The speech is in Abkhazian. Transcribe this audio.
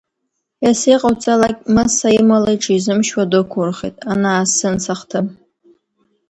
Есиҟоуҵалак, Мыса имала иҽизымшьуа дықәурхеит, анаасын сахҭым!